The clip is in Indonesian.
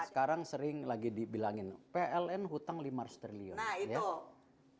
sekarang sering lagi dibilangin pln hutang lima ratus triliun ya